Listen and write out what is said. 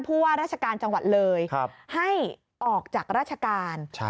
ว่าราชการจังหวัดเลยให้ออกจากราชการ